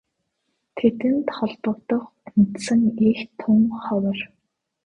Тэдэнд холбогдох үндсэн эх тун ховор.